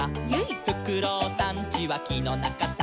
「フクロウさんちはきのなかさ」